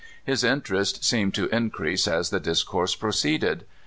His interest seemed to increase as the discourse pro ceeded.